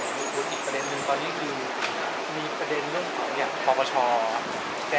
แล้วท่านก็ได้ความรู้ว่าถ้ามีปัญหาอะไร